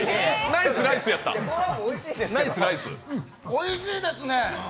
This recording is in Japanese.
うん、おいしいですね。